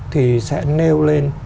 thì sẽ nêu lên